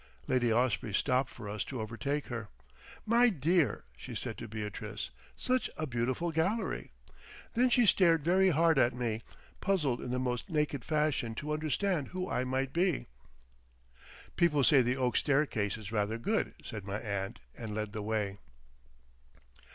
Lady Osprey stopped for us to overtake her. "My dear!" she said to Beatrice. "Such a beautiful gallery!" Then she stared very hard at me, puzzled in the most naked fashion to understand who I might be. "People say the oak staircase is rather good," said my aunt, and led the way.